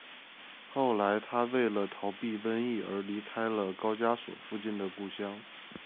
后来他为了逃避瘟疫而离开了高加索附近的故乡。